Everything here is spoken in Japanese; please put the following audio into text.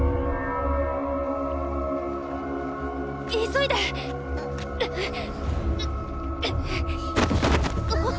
急いで！っ！